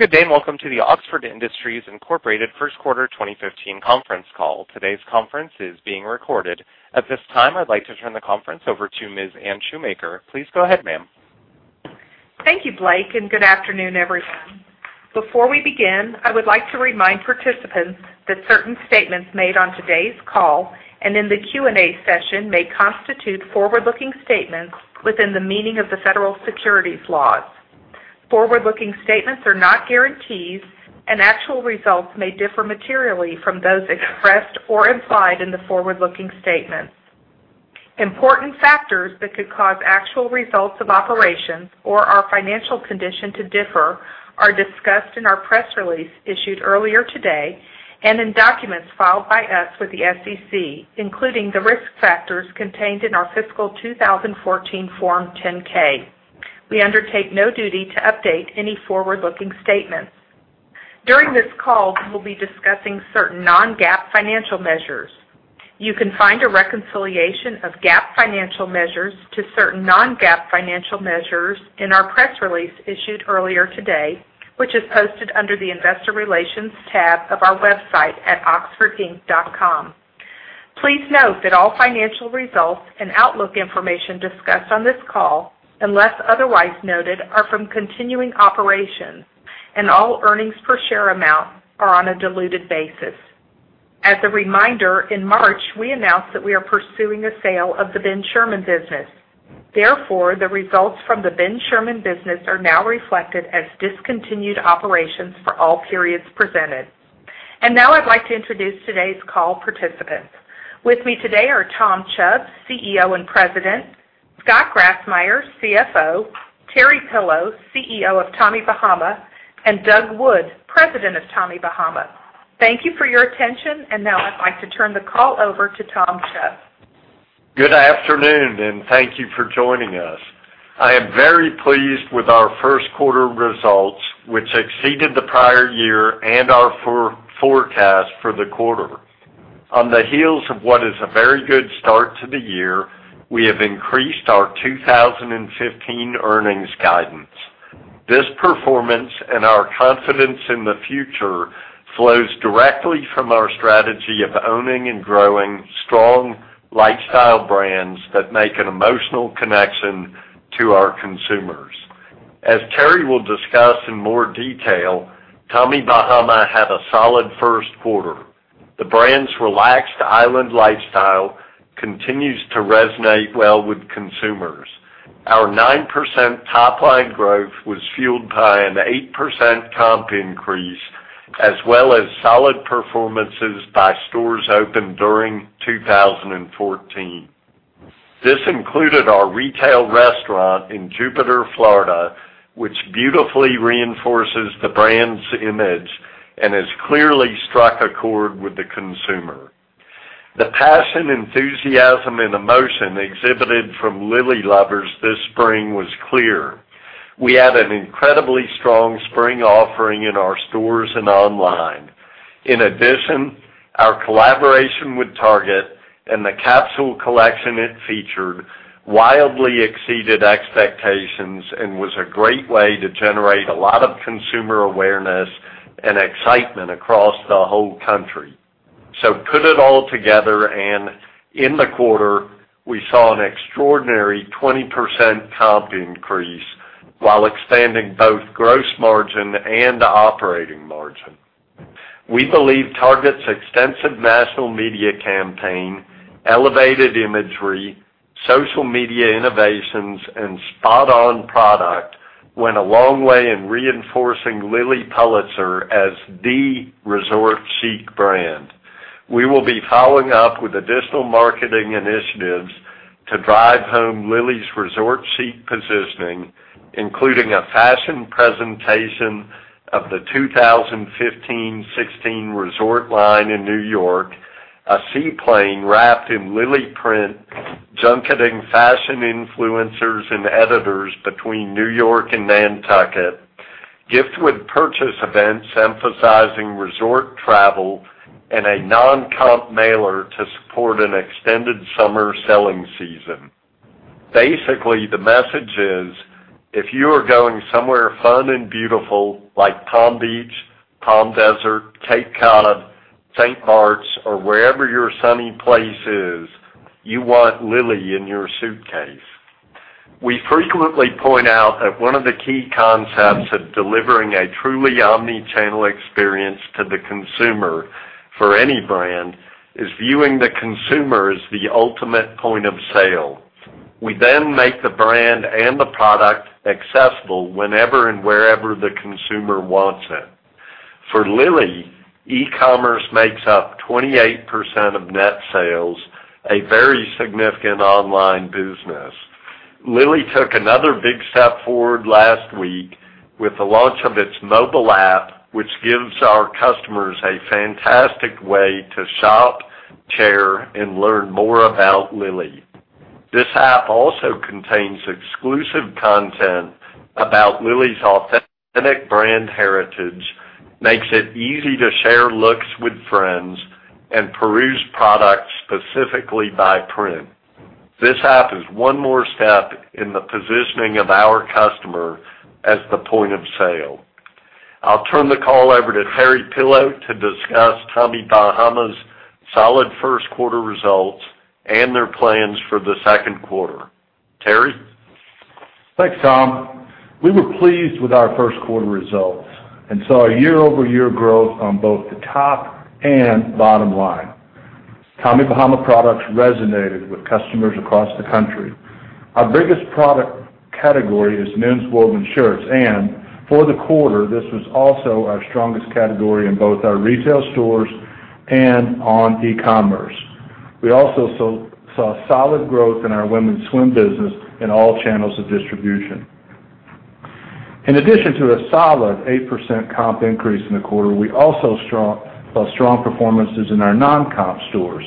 Good day, and welcome to the Oxford Industries, Inc. First Quarter 2015 conference call. Today's conference is being recorded. At this time, I'd like to turn the conference over to Ms. Anne Shoemaker. Please go ahead, ma'am. Thank you, Blake, and good afternoon, everyone. Before we begin, I would like to remind participants that certain statements made on today's call and in the Q&A session may constitute forward-looking statements within the meaning of the federal securities laws. Forward-looking statements are not guarantees, and actual results may differ materially from those expressed or implied in the forward-looking statements. Important factors that could cause actual results of operations or our financial condition to differ are discussed in our press release issued earlier today, and in documents filed by us with the SEC, including the risk factors contained in our fiscal 2014 Form 10-K. We undertake no duty to update any forward-looking statements. During this call, we'll be discussing certain non-GAAP financial measures. You can find a reconciliation of GAAP financial measures to certain non-GAAP financial measures in our press release issued earlier today, which is posted under the investor relations tab of our website at oxfordinc.com. Please note that all financial results and outlook information discussed on this call, unless otherwise noted, are from continuing operations, and all earnings per share amount are on a diluted basis. As a reminder, in March, we announced that we are pursuing a sale of the Ben Sherman business. Therefore, the results from the Ben Sherman business are now reflected as discontinued operations for all periods presented. Now I'd like to introduce today's call participants. With me today are Tom Chubb, CEO and President, Scott Grassmyer, CFO, Terry Pillow, CEO of Tommy Bahama, and Doug Wood, President of Tommy Bahama. Thank you for your attention, and now I'd like to turn the call over to Tom Chubb. Good afternoon, and thank you for joining us. I am very pleased with our first quarter results, which exceeded the prior year and our forecast for the quarter. On the heels of what is a very good start to the year, we have increased our 2015 earnings guidance. This performance and our confidence in the future flows directly from our strategy of owning and growing strong lifestyle brands that make an emotional connection to our consumers. As Terry will discuss in more detail, Tommy Bahama had a solid first quarter. The brand's relaxed island lifestyle continues to resonate well with consumers. Our 9% top-line growth was fueled by an 8% comp increase, as well as solid performances by stores opened during 2014. This included our retail restaurant in Jupiter, Florida, which beautifully reinforces the brand's image and has clearly struck a chord with the consumer. The passion, enthusiasm, and emotion exhibited from Lilly lovers this spring was clear. We had an incredibly strong spring offering in our stores and online. In addition, our collaboration with Target and the capsule collection it featured wildly exceeded expectations and was a great way to generate a lot of consumer awareness and excitement across the whole country. Put it all together, and in the quarter, we saw an extraordinary 20% comp increase while expanding both gross margin and operating margin. We believe Target's extensive national media campaign, elevated imagery, social media innovations, and spot-on product went a long way in reinforcing Lilly Pulitzer as the resort chic brand. We will be following up with additional marketing initiatives to drive home Lilly's resort chic positioning, including a fashion presentation of the 2015-16 resort line in New York, a seaplane wrapped in Lilly print, junketing fashion influencers and editors between New York and Nantucket, gift with purchase events emphasizing resort travel, and a non-comp mailer to support an extended summer selling season. Basically, the message is, if you are going somewhere fun and beautiful, like Palm Beach, Palm Desert, Cape Cod, St. Barts, or wherever your sunny place is, you want Lilly in your suitcase. We frequently point out that one of the key concepts of delivering a truly omni-channel experience to the consumer for any brand is viewing the consumer as the ultimate point of sale. We make the brand and the product accessible whenever and wherever the consumer wants it. For Lilly, e-commerce makes up 28% of net sales, a very significant online business. Lilly took another big step forward last week with the launch of its mobile app, which gives our customers a fantastic way to shop, share, and learn more about Lilly. This app also contains exclusive content about Lilly's authentic brand heritage, makes it easy to share looks with friends, and peruse products specifically by print. This app is one more step in the positioning of our customer as the point of sale. I'll turn the call over to Terry Pillow to discuss Tommy Bahama's solid first quarter results and their plans for the second quarter. Terry? Thanks, Tom. We were pleased with our first quarter results and saw year-over-year growth on both the top and bottom line. Tommy Bahama products resonated with customers across the country. Our biggest product category is men's woven shirts, and for the quarter, this was also our strongest category in both our retail stores and on e-commerce. We also saw solid growth in our women's swim business in all channels of distribution. In addition to a solid 8% comp increase in the quarter, we also saw strong performances in our non-comp stores.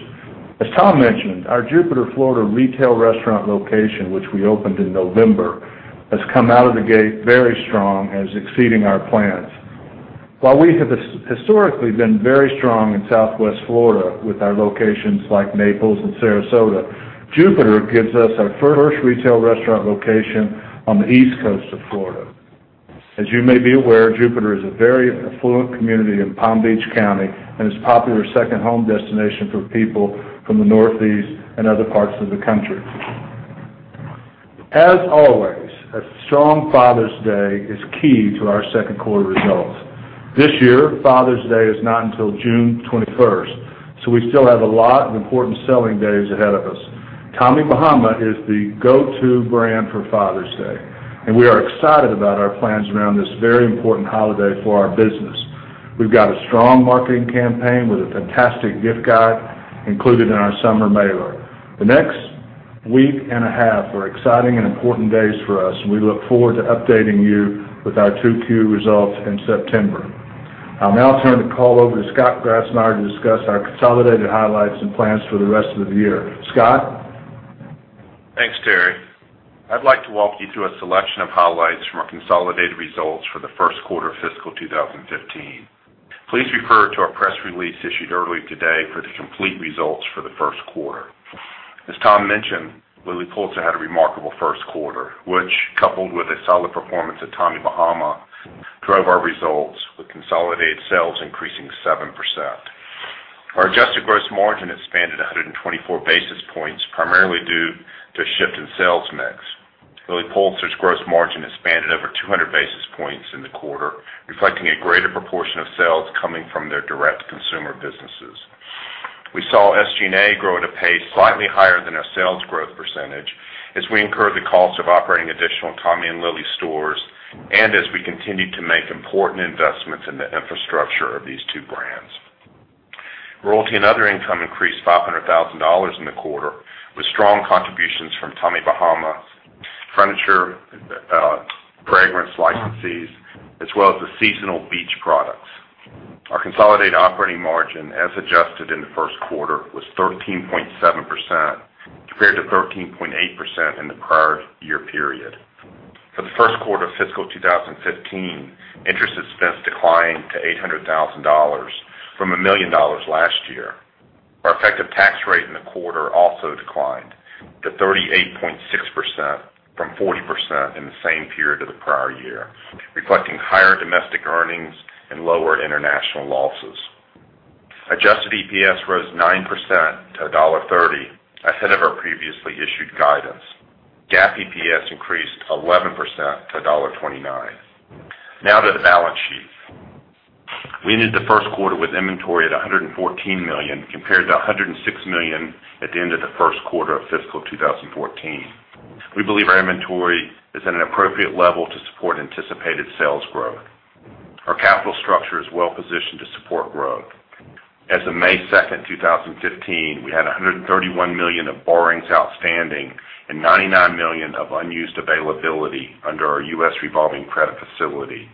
As Tom mentioned, our Jupiter, Florida, retail restaurant location, which we opened in November, has come out of the gate very strong and is exceeding our plans. While we have historically been very strong in Southwest Florida with our locations like Naples and Sarasota, Jupiter gives us our first retail restaurant location on the east coast of Florida. As you may be aware, Jupiter is a very affluent community in Palm Beach County and is a popular second home destination for people from the Northeast and other parts of the country. As always, a strong Father's Day is key to our second quarter results. This year, Father's Day is not until June 21st, so we still have a lot of important selling days ahead of us. Tommy Bahama is the go-to brand for Father's Day, and we are excited about our plans around this very important holiday for our business. We've got a strong marketing campaign with a fantastic gift guide included in our summer mailer. The next week and a half are exciting and important days for us, and we look forward to updating you with our 2Q results in September. I'll now turn the call over to Scott Grassmyer to discuss our consolidated highlights and plans for the rest of the year. Scott? Thanks, Terry. I'd like to walk you through a selection of highlights from our consolidated results for the first quarter of fiscal 2015. Please refer to our press release issued earlier today for the complete results for the first quarter. As Tom mentioned, Lilly Pulitzer had a remarkable first quarter, which, coupled with a solid performance at Tommy Bahama, drove our results, with consolidated sales increasing 7%. Our adjusted gross margin expanded 124 basis points, primarily due to a shift in sales mix. Lilly Pulitzer's gross margin expanded over 200 basis points in the quarter, reflecting a greater proportion of sales coming from their direct-to-consumer businesses. We saw SG&A grow at a pace slightly higher than our sales growth percentage as we incurred the cost of operating additional Tommy and Lilly stores and as we continued to make important investments in the infrastructure of these two brands. Royalty and other income increased $500,000 in the quarter, with strong contributions from Tommy Bahama, furniture, fragrance licenses, as well as the seasonal beach products. Our consolidated operating margin, as adjusted in the first quarter, was 13.7%, compared to 13.8% in the prior year period. For the first quarter of fiscal 2015, interest expense declined to $800,000 from $1 million last year. Our effective tax rate in the quarter also declined to 38.6% from 40% in the same period of the prior year, reflecting higher domestic earnings and lower international losses. Adjusted EPS rose 9% to $1.30, ahead of our previously issued guidance. GAAP EPS increased 11% to $1.29. Now to the balance sheet. We ended the first quarter with inventory at $114 million, compared to $106 million at the end of the first quarter of fiscal 2014. We believe our inventory is at an appropriate level to support anticipated sales growth. Our capital structure is well-positioned to support growth. As of May 2nd, 2015, we had $131 million of borrowings outstanding and $99 million of unused availability under our U.S. revolving credit facility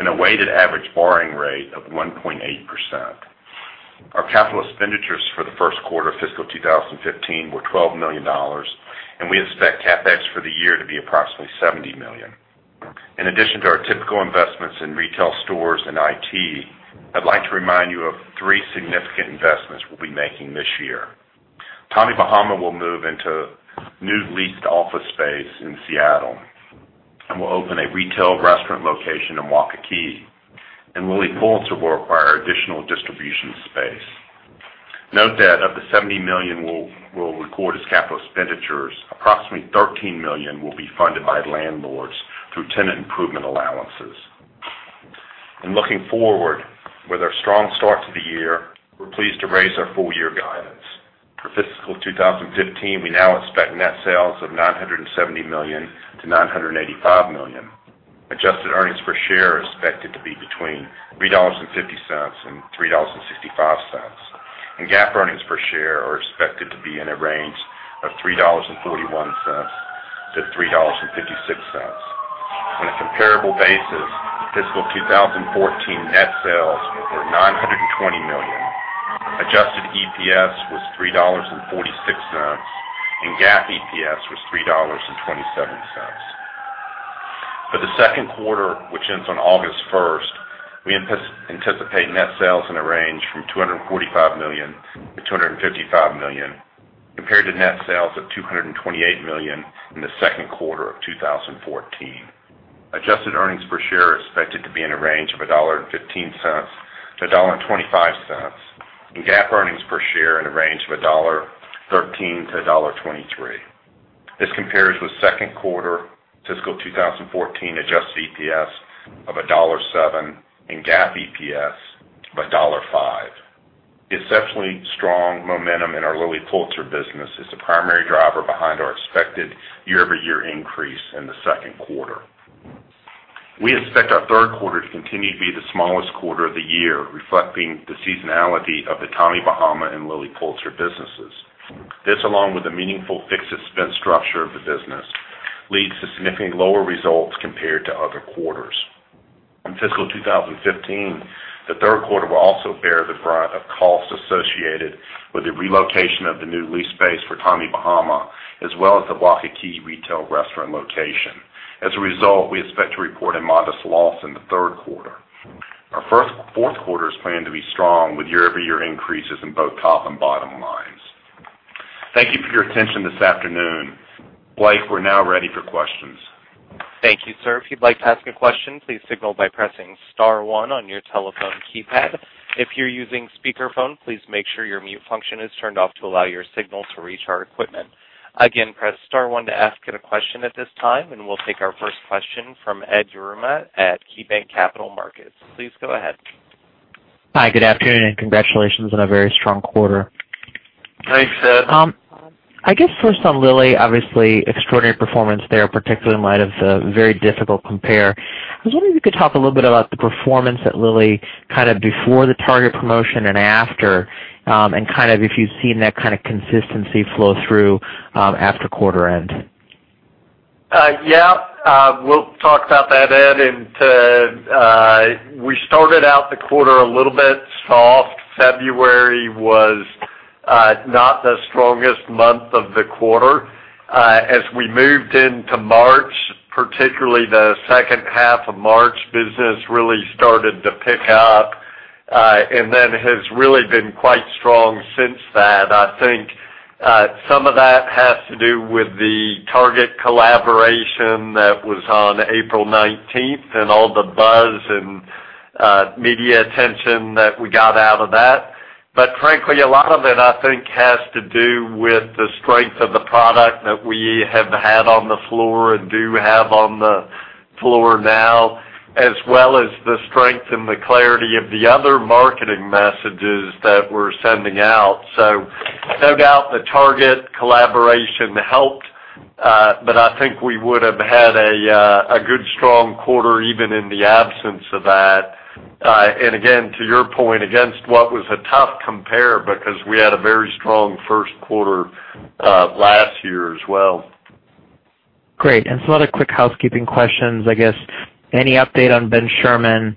and a weighted average borrowing rate of 1.8%. Our capital expenditures for the first quarter of fiscal 2015 were $12 million, and we expect CapEx for the year to be approximately $70 million. In addition to our typical investments in retail stores and IT, I'd like to remind you of three significant investments we'll be making this year. Tommy Bahama will move into new leased office space in Seattle and will open a retail restaurant location in Waikiki, and Lilly Pulitzer will require additional distribution space. Note that of the $70 million we'll record as capital expenditures, approximately $13 million will be funded by landlords through tenant improvement allowances. In looking forward, with our strong start to the year, we're pleased to raise our full-year guidance. For fiscal 2015, we now expect net sales of $970 million-$985 million. Adjusted earnings per share are expected to be between $3.50-$3.65, and GAAP earnings per share are expected to be in a range of $3.41-$3.56. On a comparable basis, fiscal 2014 net sales were $920 million, adjusted EPS was $3.46, and GAAP EPS. For the second quarter, which ends on August 1st, we anticipate net sales in a range from $245 million-$255 million, compared to net sales of $228 million in the second quarter of 2014. Adjusted earnings per share are expected to be in a range of $1.15-$1.25, and GAAP earnings per share in a range of $1.13-$1.23. This compares with second quarter fiscal 2014 adjusted EPS of $1.07 and GAAP EPS of $1.05. Exceptionally strong momentum in our Lilly Pulitzer business is the primary driver behind our expected year-over-year increase in the second quarter. We expect our third quarter to continue to be the smallest quarter of the year, reflecting the seasonality of the Tommy Bahama and Lilly Pulitzer businesses. This, along with the meaningful fixed spend structure of the business, leads to significantly lower results compared to other quarters. In fiscal 2015, the third quarter will also bear the brunt of costs associated with the relocation of the new lease space for Tommy Bahama, as well as the Waikiki retail restaurant location. As a result, we expect to report a modest loss in the third quarter. Our fourth quarter is planned to be strong, with year-over-year increases in both top and bottom lines. Thank you for your attention this afternoon. Blake, we're now ready for questions. Thank you, sir. If you'd like to ask a question, please signal by pressing *1 on your telephone keypad. If you're using speakerphone, please make sure your mute function is turned off to allow your signal to reach our equipment. Again, press *1 to ask a question at this time, and we'll take our first question from Edward Yruma at KeyBanc Capital Markets. Please go ahead. Hi, good afternoon, congratulations on a very strong quarter. Thanks, Ed. I guess first on Lilly, obviously extraordinary performance there, particularly in light of the very difficult compare. I was wondering if you could talk a little bit about the performance at Lilly, before the Target promotion and after, and if you've seen that kind of consistency flow through after quarter end. Yeah. We'll talk about that, Ed. We started out the quarter a little bit soft. February was not the strongest month of the quarter. As we moved into March, particularly the second half of March, business really started to pick up, then has really been quite strong since that. I think some of that has to do with the Target collaboration that was on April 19th and all the buzz and media attention that we got out of that. Frankly, a lot of it, I think, has to do with the strength of the product that we have had on the floor and do have on the floor now, as well as the strength and the clarity of the other marketing messages that we're sending out. No doubt the Target collaboration helped. I think we would have had a good, strong quarter even in the absence of that. Again, to your point, against what was a tough compare, because we had a very strong first quarter last year as well. Great. Some other quick housekeeping questions. I guess, any update on Ben Sherman?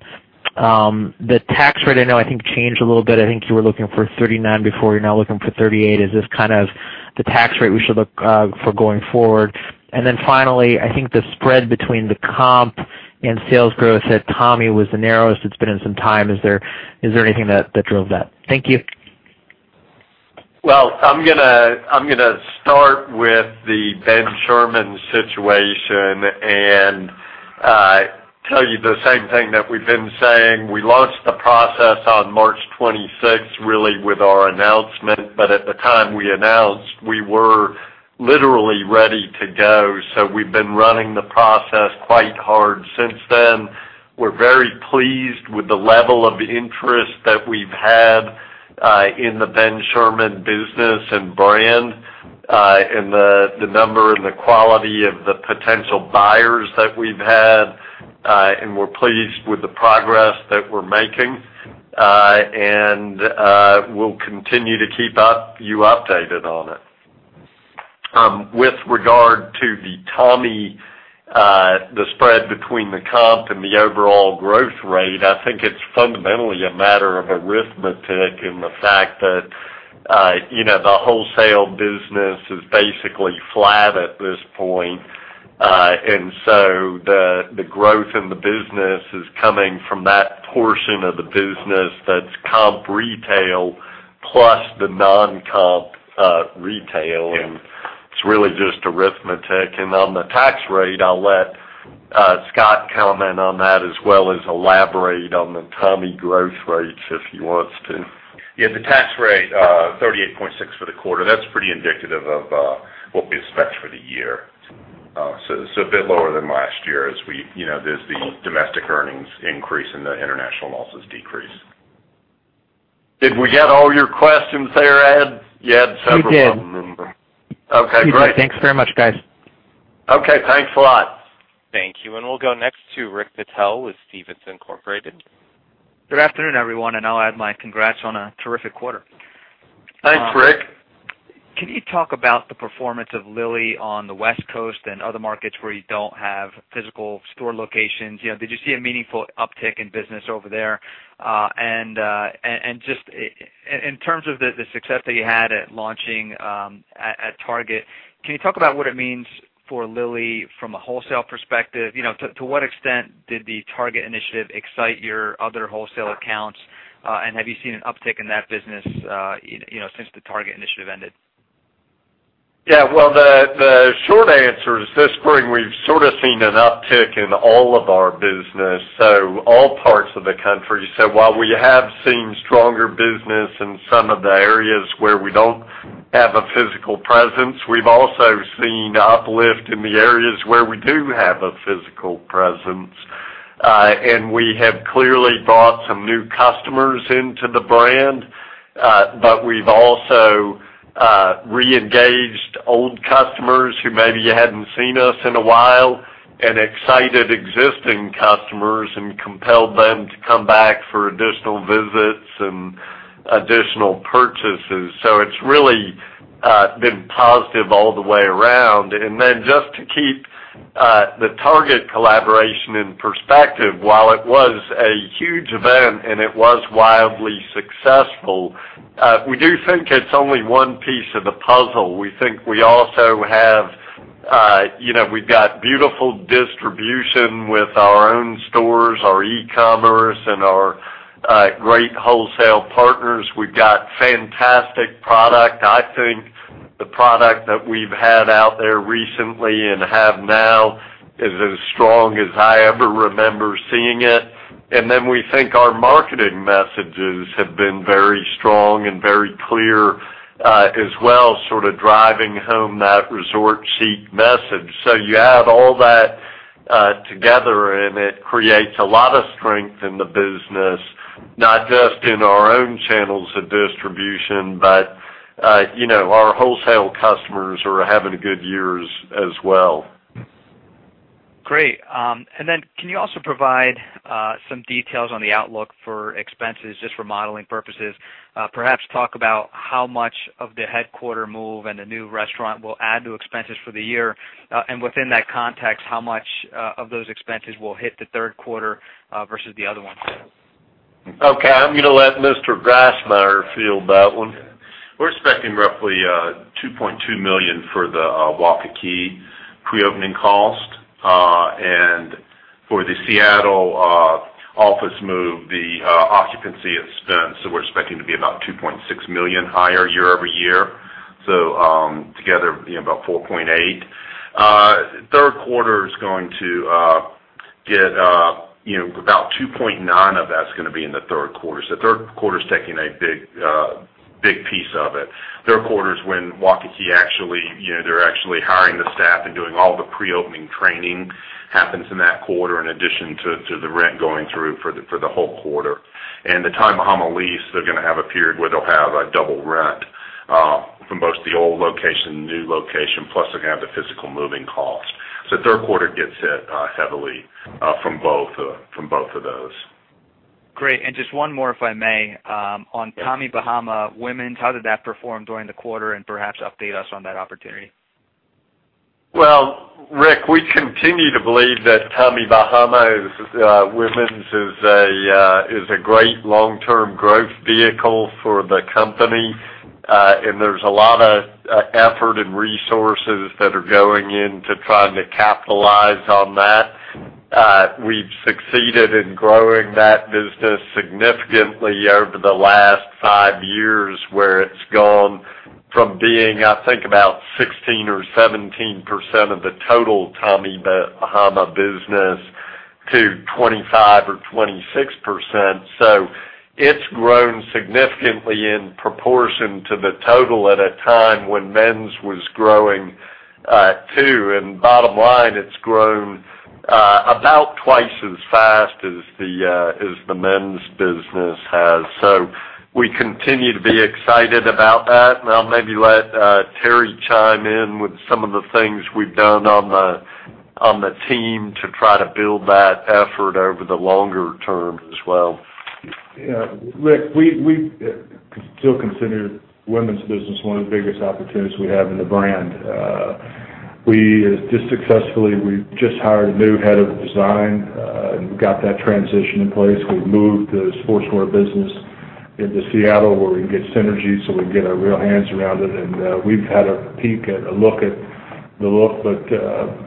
The tax rate, I know, I think, changed a little bit. I think you were looking for 39 before, you're now looking for 38. Is this the tax rate we should look for going forward? Finally, I think the spread between the comp and sales growth at Tommy was the narrowest it's been in some time. Is there anything that drove that? Thank you. Well, I'm going to start with the Ben Sherman situation and tell you the same thing that we've been saying. We launched the process on March 26th, really, with our announcement. At the time we announced, we were literally ready to go. We've been running the process quite hard since then. We're very pleased with the level of interest that we've had in the Ben Sherman business and brand, and the number and the quality of the potential buyers that we've had. We're pleased with the progress that we're making. We'll continue to keep you updated on it. With regard to the Tommy, the spread between the comp and the overall growth rate, I think it's fundamentally a matter of arithmetic and the fact that the wholesale business is basically flat at this point. The growth in the business is coming from that portion of the business that's comp retail plus the non-comp retail. It's really just arithmetic. On the tax rate, I'll let Scott comment on that as well as elaborate on the Tommy growth rates if he wants to. Yeah, the tax rate, 38.6% for the quarter. That's pretty indicative of what we expect for the year. It's a bit lower than last year as there's the domestic earnings increase and the international losses decrease. Did we get all your questions there, Ed? You had several of them in there. You did. Okay. Thanks very much, guys. Okay, thanks a lot. Thank you. We'll go next to Rick Patel with Stephens Incorporated. Good afternoon, everyone, I'll add my congrats on a terrific quarter. Thanks, Rick. In terms of the success that you had at launching at Target, can you talk about what it means for Lilly from a wholesale perspective? To what extent did the Target initiative excite your other wholesale accounts, and have you seen an uptick in that business since the Target initiative ended? Well, the short answer is this spring, we've sort of seen an uptick in all of our business, so all parts of the country. While we have seen stronger business in some of the areas where we don't have a physical presence, we've also seen uplift in the areas where we do have a physical presence. We have clearly brought some new customers into the brand. We've also re-engaged old customers who maybe hadn't seen us in a while, and excited existing customers and compelled them to come back for additional visits and additional purchases. It's really been positive all the way around. Just to keep the Target collaboration in perspective, while it was a huge event and it was wildly successful, we do think it's only one piece of the puzzle. We think we've got beautiful distribution with our own stores, our e-commerce, and our great wholesale partners. We've got fantastic product. I think the product that we've had out there recently and have now is as strong as I ever remember seeing it. We think our marketing messages have been very strong and very clear as well, sort of driving home that resort chic message. You add all that together, and it creates a lot of strength in the business, not just in our own channels of distribution, but our wholesale customers are having good years as well. Great. Then can you also provide some details on the outlook for expenses just for modeling purposes? Perhaps talk about how much of the headquarter move and the new restaurant will add to expenses for the year. Within that context, how much of those expenses will hit the third quarter versus the other ones? Okay. I'm going to let Mr. Grassmyer field that one. We're expecting roughly $2.2 million for the Waikiki pre-opening cost. For the Seattle office move, the occupancy expense, we're expecting to be about $2.6 million higher year-over-year. Together, about $4.8. About $2.9 of that's going to be in the third quarter. The third quarter's taking a big piece of it. Third quarter is when Waikiki, they're actually hiring the staff and doing all the pre-opening training happens in that quarter, in addition to the rent going through for the whole quarter. The Tommy Bahama lease, they're going to have a period where they'll have a double rent from both the old location and new location, plus they're going to have the physical moving cost. The third quarter gets hit heavily from both of those. Great. Just one more, if I may. On Tommy Bahama Women's, how did that perform during the quarter, and perhaps update us on that opportunity? Rick, we continue to believe that Tommy Bahama Women's is a great long-term growth vehicle for the company. There's a lot of effort and resources that are going in to trying to capitalize on that. We've succeeded in growing that business significantly over the last five years, where it's gone from being, I think, about 16% or 17% of the total Tommy Bahama business to 25% or 26%. It's grown significantly in proportion to the total at a time when men's was growing too, and bottom line, it's grown about twice as fast as the men's business has. We continue to be excited about that, and I'll maybe let Terry chime in with some of the things we've done on the team to try to build that effort over the longer term as well. Rick, we still consider women's business one of the biggest opportunities we have in the brand. We just successfully hired a new head of design and got that transition in place. We've moved the sportswear business into Seattle, where we can get synergy so we can get our real hands around it, and we've had a peek and a look at the look.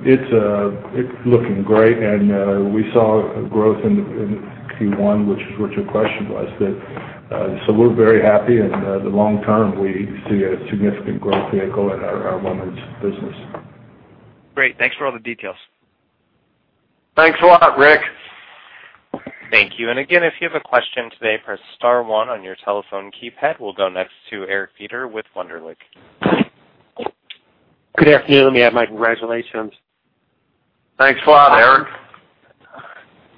It's looking great, and we saw growth in Q1, which is what your question was. We're very happy, and the long term, we see a significant growth vehicle in our women's business. Great. Thanks for all the details. Thanks a lot, Rick. Thank you. Again, if you have a question today, press *1 on your telephone keypad. We'll go next to Eric Beder with Wunderlich. Good afternoon. May I have my congratulations. Thanks a lot, Eric.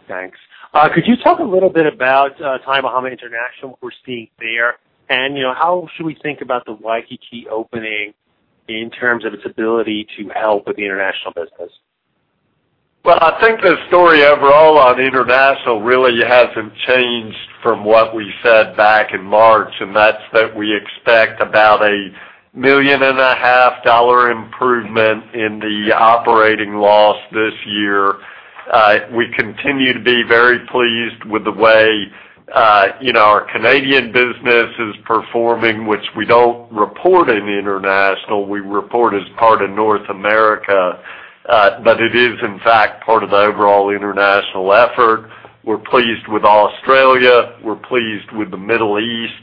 Thanks. Could you talk a little bit about Tommy Bahama International, what we're seeing there? How should we think about the Waikiki opening in terms of its ability to help with the international business? Well, I think the story overall on international really hasn't changed from what we said back in March, and that's that we expect about a $1.5 million improvement in the operating loss this year. We continue to be very pleased with the way our Canadian business is performing, which we don't report in international. We report as part of North America. It is, in fact, part of the overall international effort. We're pleased with Australia. We're pleased with the Middle East.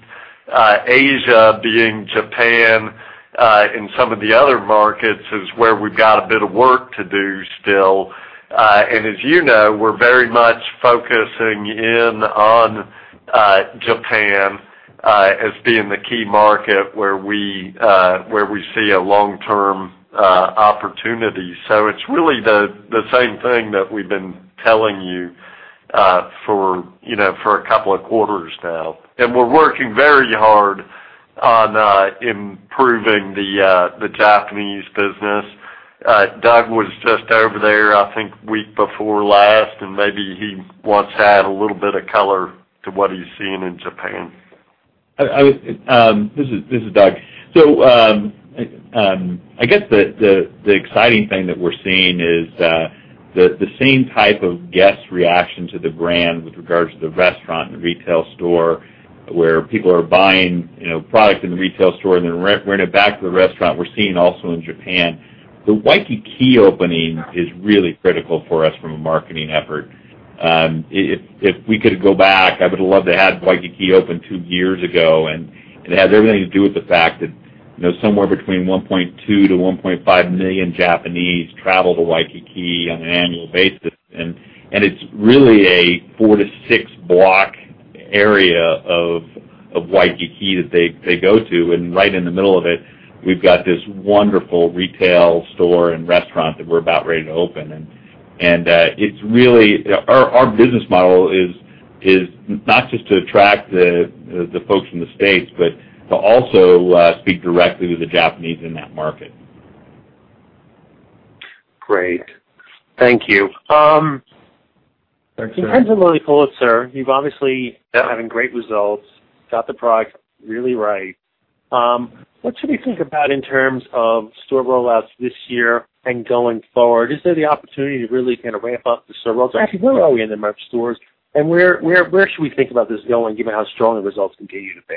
Asia, being Japan and some of the other markets, is where we've got a bit of work to do still. As you know, we're very much focusing in on Japan as being the key market where we see a long-term opportunity. It's really the same thing that we've been telling you for a couple of quarters now. We're working very hard on improving the Japanese business. Doug was just over there, I think, week before last, maybe he wants to add a little bit of color to what he's seeing in Japan. This is Doug. I guess the exciting thing that we're seeing is the same type of guest reaction to the brand with regards to the restaurant and retail store, where people are buying product in the retail store and then bringing it back to the restaurant, we're seeing also in Japan. The Waikiki opening is really critical for us from a marketing effort. If we could go back, I would have loved to have Waikiki open 2 years ago. It has everything to do with the fact that somewhere between 1.2 million-1.5 million Japanese travel to Waikiki on an annual basis. It's really a four to six-block area of Waikiki that they go to. Right in the middle of it, we've got this wonderful retail store and restaurant that we're about ready to open. Our business model is not just to attract the folks from the U.S., but to also speak directly to the Japanese in that market. Great. Thank you. Thanks, Eric. In terms of Lilly Pulitzer, you've obviously been having great results, got the product really right. What should we think about in terms of store rollouts this year and going forward? Is there the opportunity to really kind of ramp up the store rollouts? Actually, where are we in the number of stores, and where should we think about this going, given how strong the results continue to be?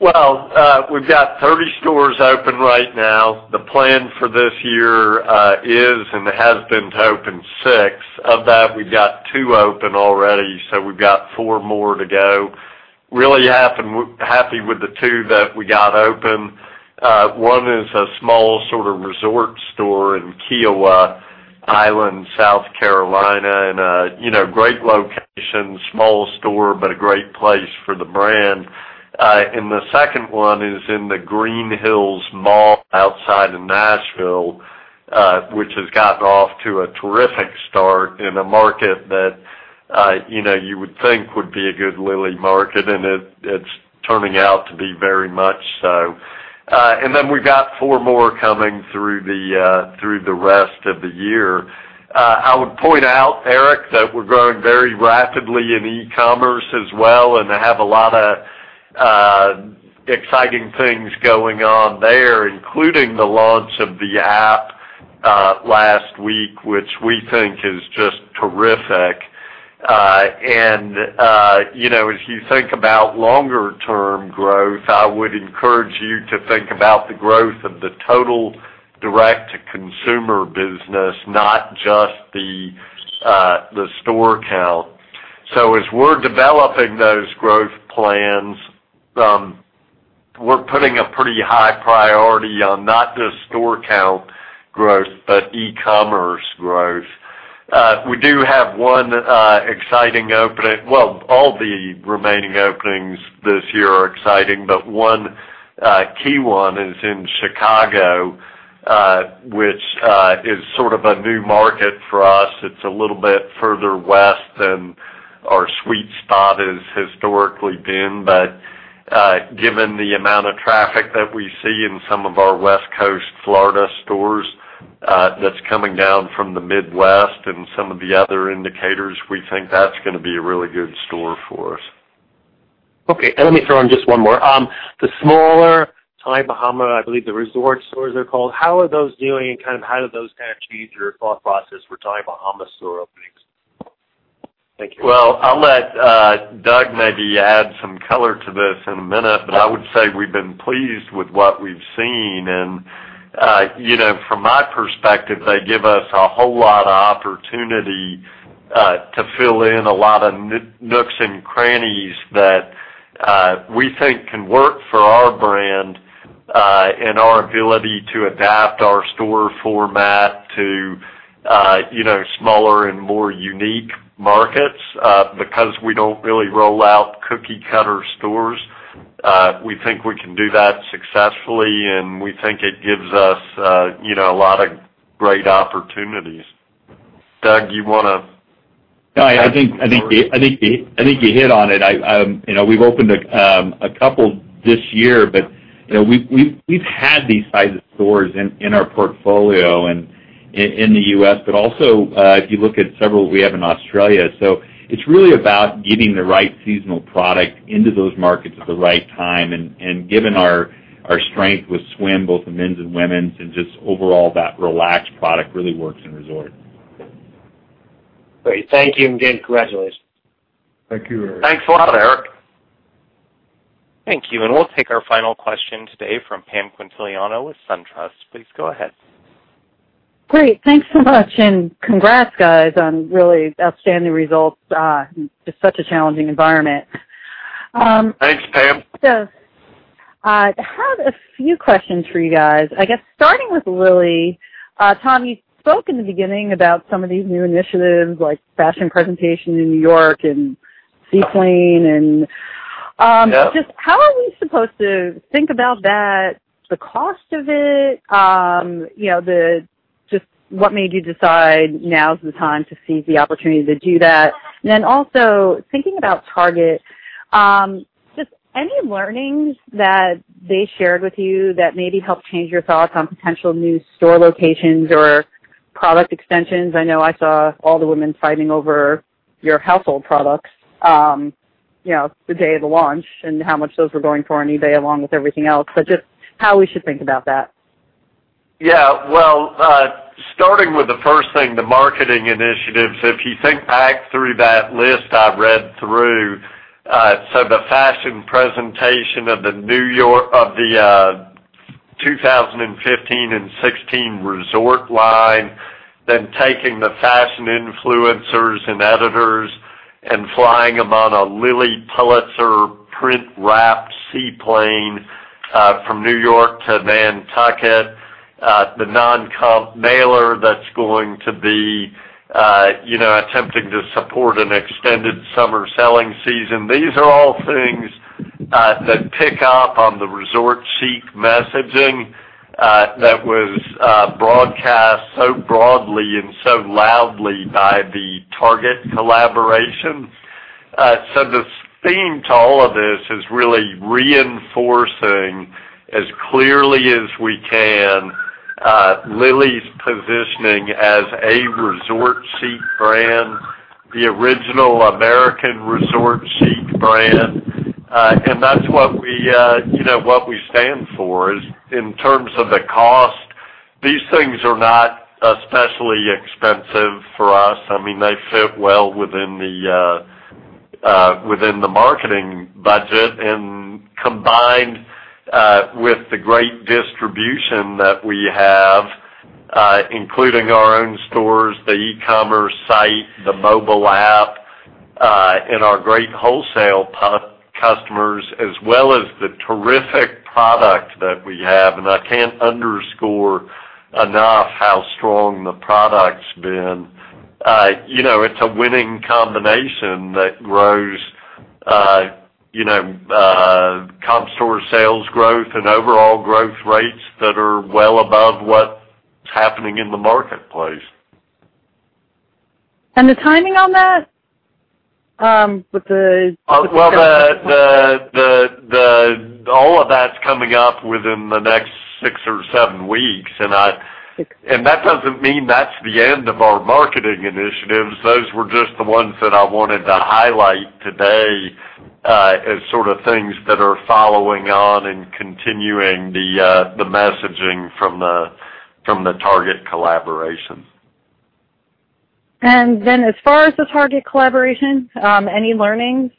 Well, we've got 30 stores open right now. The plan for this year is and has been to open six. Of that, we've got two open already, so we've got four more to go. Really happy with the two that we got open. One is a small sort of resort store in Kiawah Island, South Carolina, and a great location, small store, but a great place for the brand. The second one is in the Green Hills Mall outside of Nashville, which has gotten off to a terrific start in a market that you would think would be a good Lilly market, and it's turning out to be very much so. We've got four more coming through the rest of the year. I would point out, Eric, that we're growing very rapidly in e-commerce as well and have a lot of exciting things going on there, including the launch of the app last week, which we think is just terrific. As you think about longer-term growth, I would encourage you to think about the growth of the total direct-to-consumer business, not just the store count. As we're developing those growth plans, we're putting a pretty high priority on not just store count growth, but e-commerce growth. We do have one exciting opening. Well, all the remaining openings this year are exciting, but one key one is in Chicago, which is sort of a new market for us. It's a little bit further west than our sweet spot has historically been. Given the amount of traffic that we see in some of our West Coast Florida stores that's coming down from the Midwest and some of the other indicators, we think that's going to be a really good store for us. Okay, let me throw in just one more. The smaller Tommy Bahama, I believe the resort stores they're called, how are those doing? How did those change your thought process for Tommy Bahama store openings? Thank you. Well, I'll let Doug maybe add some color to this in a minute, but I would say we've been pleased with what we've seen. From my perspective, they give us a whole lot of opportunity to fill in a lot of nooks and crannies that we think can work for our brand and our ability to adapt our store format to smaller and more unique markets because we don't really roll out cookie-cutter stores. We think we can do that successfully, and we think it gives us a lot of great opportunities. Doug, you want to No, I think you hit on it. We've opened a couple this year, but we've had these sizes stores in our portfolio and in the U.S., but also if you look at several we have in Australia. It's really about getting the right seasonal product into those markets at the right time, and given our strength with swim, both the men's and women's, and just overall that relaxed product really works in resort. Great. Thank you. Again, congratulations. Thank you, Eric. Thanks a lot, Eric. Thank you. We'll take our final question today from Pam Quintiliano with SunTrust. Please go ahead. Great. Thanks so much. Congrats guys on really outstanding results in just such a challenging environment. Thanks, Pam. I have a few questions for you guys. I guess starting with Lilly. Tom, you spoke in the beginning about some of these new initiatives like fashion presentation in New York and seaplane. Yeah. Just how are we supposed to think about that, the cost of it? Just what made you decide now's the time to seize the opportunity to do that? Also thinking about Target, just any learnings that they shared with you that maybe helped change your thoughts on potential new store locations or product extensions? I know I saw all the women fighting over your household products the day of the launch and how much those were going for on eBay along with everything else. Just how we should think about that. Yeah. Well, starting with the first thing, the marketing initiatives, if you think back through that list I read through, the fashion presentation of the 2015 and 2016 resort line, taking the fashion influencers and editors and flying them on a Lilly Pulitzer print-wrapped seaplane from New York to Nantucket, the non-comp mailer that's going to be attempting to support an extended summer selling season. These are all things that pick up on the resort chic messaging that was broadcast so broadly and so loudly by the Target collaboration. The theme to all of this is really reinforcing as clearly as we can Lilly's positioning as a resort chic brand, the original American resort chic brand. That's what we stand for is in terms of the cost, these things are not especially expensive for us. They fit well within the marketing budget and combined with the great distribution that we have, including our own stores, the e-commerce site, the mobile app, and our great wholesale customers, as well as the terrific product that we have, and I can't underscore enough how strong the product's been. It's a winning combination that grows comp store sales growth and overall growth rates that are well above what's happening in the marketplace. The timing on that? Well, all of that's coming up within the next six or seven weeks. That doesn't mean that's the end of our marketing initiatives. Those were just the ones that I wanted to highlight today as sort of things that are following on and continuing the messaging from the Target collaboration. As far as the Target collaboration, any learnings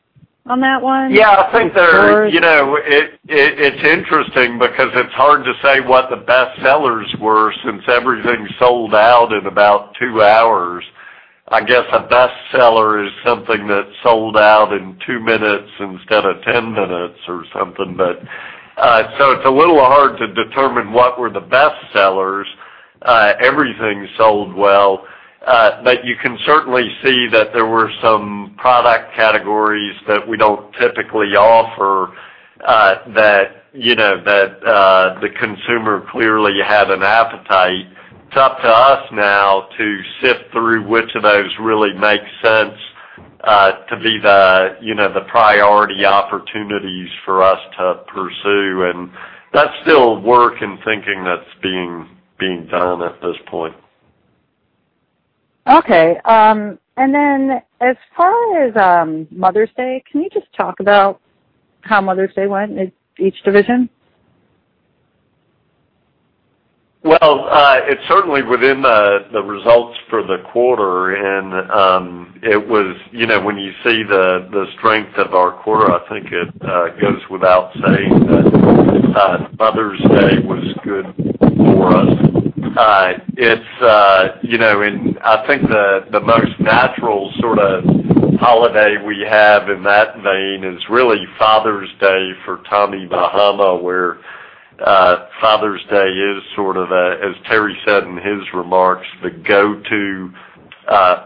on that one? Yeah, I think it's interesting because it's hard to say what the best sellers were since everything sold out in about two hours. I guess a best seller is something that sold out in two minutes instead of 10 minutes or something. It's a little hard to determine what were the best sellers. Everything sold well. You can certainly see that there were some product categories that we don't typically offer that the consumer clearly had an appetite. It's up to us now to sift through which of those really make sense to be the priority opportunities for us to pursue. That's still work and thinking that's being done at this point. Okay. As far as Mother's Day, can you just talk about how Mother's Day went in each division? Well, it's certainly within the results for the quarter, when you see the strength of our quarter, I think it goes without saying that Mother's Day was good for us. I think the most natural sort of holiday we have in that vein is really Father's Day for Tommy Bahama, where Father's Day is sort of a, as Terry said in his remarks, the go-to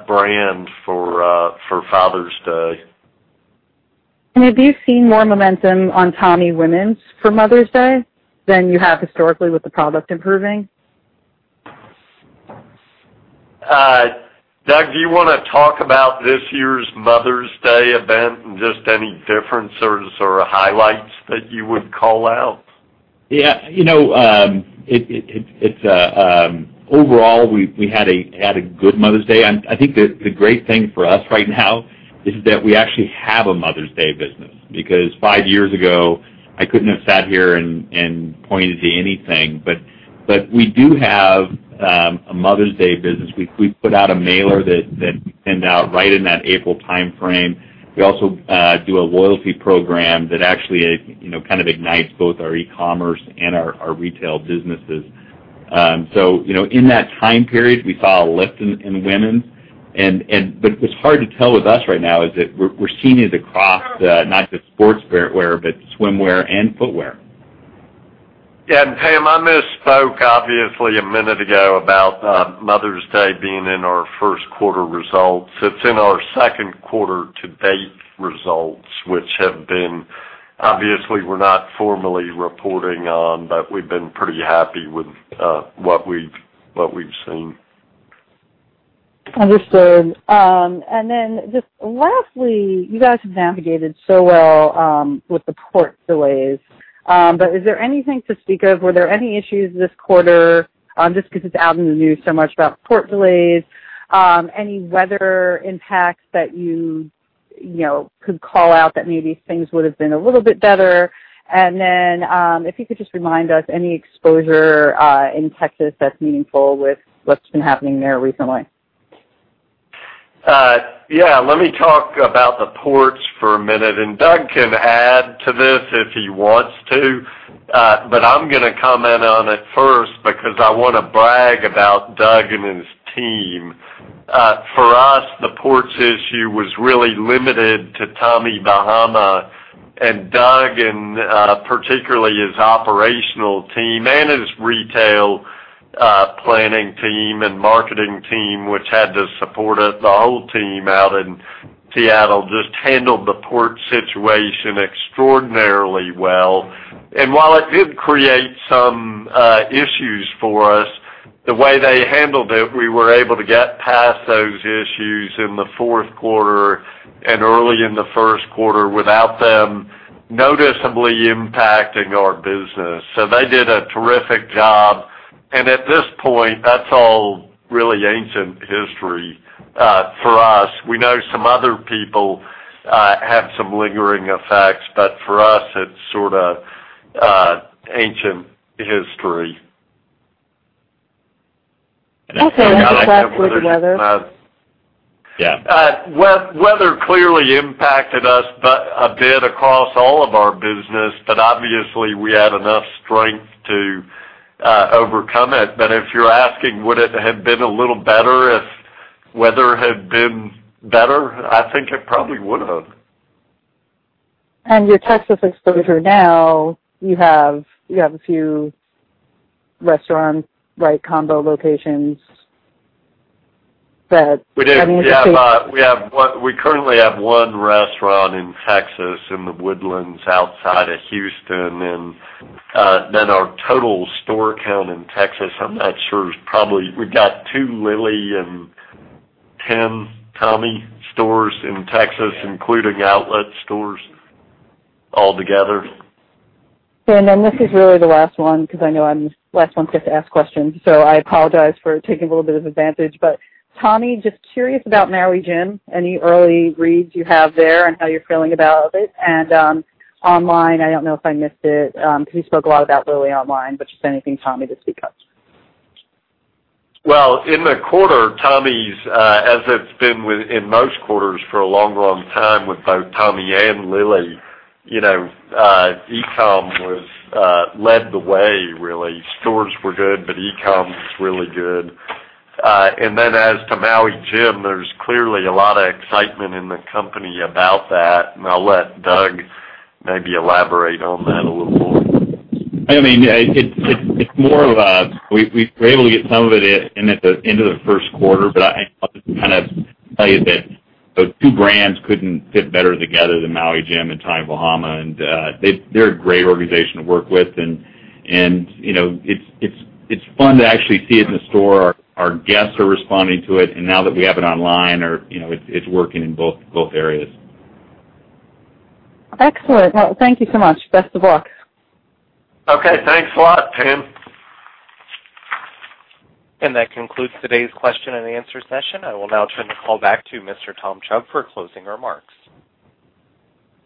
brand for Father's Day. Have you seen more momentum on Tommy women's for Mother's Day than you have historically with the product improving? Doug, do you want to talk about this year's Mother's Day event and just any differences or highlights that you would call out? Overall, we had a good Mother's Day. I think the great thing for us right now is that we actually have a Mother's Day business, because five years ago, I couldn't have sat here and pointed to anything. We do have a Mother's Day business. We put out a mailer that we send out right in that April timeframe. We also do a loyalty program that actually kind of ignites both our e-commerce and our retail businesses. In that time period, we saw a lift in women. What's hard to tell with us right now is that we're seeing it across not just sportswear, but swimwear and footwear. Pam, I misspoke obviously a minute ago about Mother's Day being in our first quarter results. It's in our second quarter to date results, which have been, obviously, we're not formally reporting on, but we've been pretty happy with what we've seen. Understood. Just lastly, you guys have navigated so well with the port delays. Is there anything to speak of? Were there any issues this quarter, just because it's out in the news so much about port delays? Any weather impacts that you could call out that maybe things would've been a little bit better? If you could just remind us, any exposure in Texas that's meaningful with what's been happening there recently? Yeah. Let me talk about the ports for a minute, Doug can add to this if he wants to. I'm gonna comment on it first because I want to brag about Doug and his team. For us, the ports issue was really limited to Tommy Bahama, Doug and particularly his operational team and his retail planning team and marketing team, which had to support it, the whole team out in Seattle just handled the port situation extraordinarily well. While it did create some issues for us, the way they handled it, we were able to get past those issues in the fourth quarter and early in the first quarter without them noticeably impacting our business. They did a terrific job. At this point, that's all really ancient history for us. We know some other people had some lingering effects, for us, it's sort of ancient history. Okay. Just lastly, the weather. Yeah. Weather clearly impacted us a bit across all of our business, obviously, we had enough strength to overcome it. If you're asking would it have been a little better if weather had been better, I think it probably would've. Your Texas exposure now, you have a few restaurants, right, combo locations. We do. Yeah. We currently have one restaurant in Texas in The Woodlands outside of Houston. Our total store count in Texas, I'm not sure, is probably we've got two Lilly and 10 Tommy stores in Texas, including outlet stores altogether. This is really the last one because I know I'm the last one to get to ask questions, I apologize for taking a little bit of advantage. Tommy, just curious about Maui Jim, any early reads you have there and how you're feeling about it. Online, I don't know if I missed it, because you spoke a lot about Lilly online, just anything Tommy to speak of. Well, in the quarter, Tommy's, as it's been within most quarters for a long, long time with both Tommy and Lilly, e-com led the way, really. Stores were good, e-com's really good. As to Maui Jim, there's clearly a lot of excitement in the company about that, I'll let Doug maybe elaborate on that a little more. It's more of a we were able to get some of it in at the end of the first quarter, I just kind of tell you that those two brands couldn't fit better together than Maui Jim and Tommy Bahama, they're a great organization to work with. It's fun to actually see it in the store. Our guests are responding to it, now that we have it online, it's working in both areas. Excellent. Well, thank you so much. Best of luck. Okay. Thanks a lot, Pam. That concludes today's question and answer session. I will now turn the call back to Mr. Tom Chubb for closing remarks.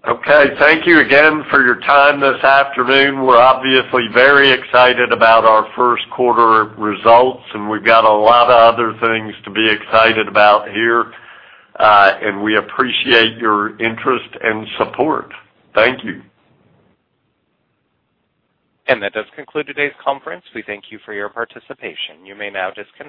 Okay. Thank you again for your time this afternoon. We're obviously very excited about our first quarter results, and we've got a lot of other things to be excited about here. We appreciate your interest and support. Thank you. That does conclude today's conference. We thank you for your participation. You may now disconnect.